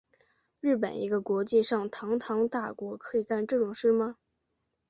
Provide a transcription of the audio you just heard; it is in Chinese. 日本一个国际上堂堂大国可以干这种事吗？